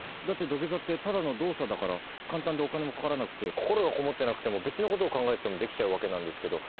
「だって土下座ってただの動作だから簡単でお金もかからなくて心がこもってなくても別のこと考えててもできちゃうわけなんですけど」